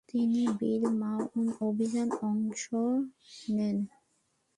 তিনি বির মা'উনা অভিযানে অংশ নেন।